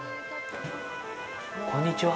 こんにちは。